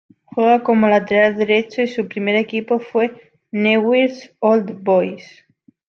Juega como lateral derecho y su primer equipo fue Newell's Old Boys.